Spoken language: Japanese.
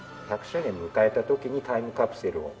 １００周年を迎えた時にタイムカプセルを。